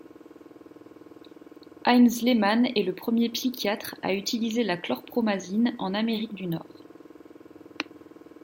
Heinz Lehmann est le premier psychiatre à utiliser la chlorpromazine en Amérique du Nord.